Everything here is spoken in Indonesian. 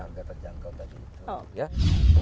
agar terjangkau tadi itu